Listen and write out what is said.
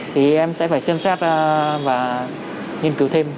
thì em sẽ phải xem xét và nghiên cứu thêm